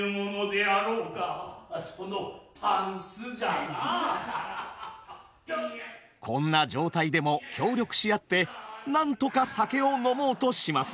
これがあのこんな状態でも協力し合ってなんとか酒を飲もうとします。